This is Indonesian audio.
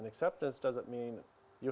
datang pengertian orang orang